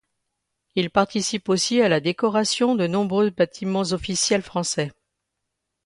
Il participe aussi à la décoration de nombreux bâtiments officiels français.